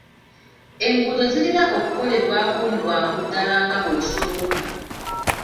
Enguudo zirina okukolebwako mu bwangu ddaala nga bwe kisoboka.